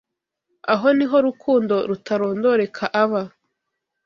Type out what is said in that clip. aho ni ho Rukundo rutarondoreka aba